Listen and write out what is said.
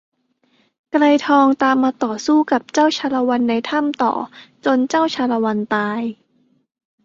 ไกรทองตามมาต่อสู้กับเจ้าชาละวันในถ้าต่อจนเจ้าชาละวันตาย